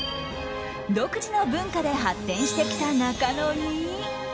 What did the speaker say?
独自の文化で発展してきた中野に。